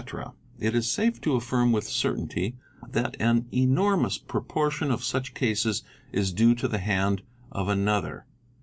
It is safe to affirm with certainty that an enormous proportion of such cases is due to the hand of another.